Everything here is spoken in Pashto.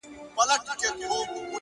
• او د ده شپې به خالي له انګولا وي -